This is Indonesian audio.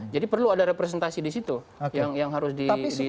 jadi perlu ada representasi di situ yang harus disampaikan